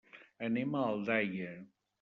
Anem a Aldaia.